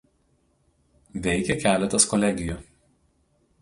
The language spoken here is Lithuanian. Veikia keletas kolegijų.